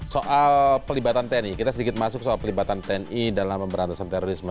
soal pelibatan tni kita sedikit masuk soal pelibatan tni dalam pemberantasan terorisme